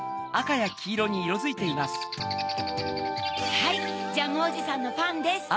はいジャムおじさんのパンです。